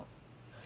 何！？